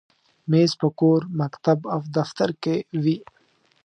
مېز په کور، مکتب، او دفتر کې وي.